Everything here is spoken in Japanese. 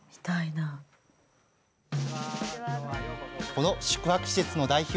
この宿泊施設の代表